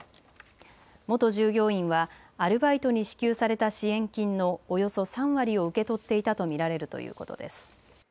元従業員はアルバイトに支給された支援金のおよそ３割を受け取っていたと見られるということです。